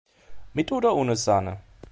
Mit oder ohne Sahne?